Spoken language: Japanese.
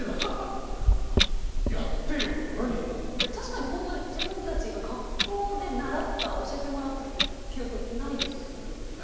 いや確かにほんとに自分たちが学校で習った教えてもらったっていう記憶ないですよね？